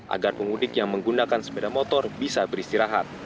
agar pemudik yang menggunakan sepeda motor bisa beristirahat